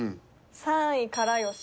３位から好。